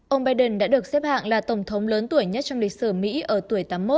ông biden đã được xếp hạng là tổng thống lớn tuổi nhất trong lịch sử mỹ ở tuổi tám mươi một